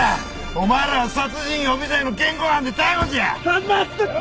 お前らは殺人予備罪の現行犯で逮捕じゃ！